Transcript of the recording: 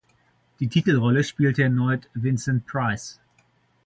Die Titelrolle spielte erneut Vincent Price.